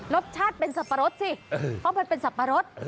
รสชาติเป็นสับปะรดสิเพราะมันเป็นสับปะรด